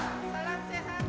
kami kami kami buat biasa